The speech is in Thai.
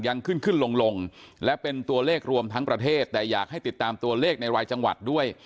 ยังขึ้นขึ้นลงลงและเป็นตัวเลขรวมทั้งประเทศแต่อยากให้ติดตามตัวเลขในรายจังหวัดด้วย